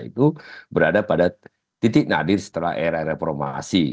itu berada pada titik nadir setelah era reformasi